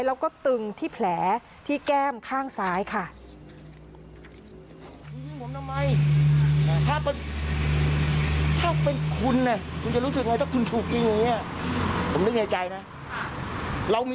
แล้วก็ตึงที่แผลที่แก้มข้างซ้ายค่ะ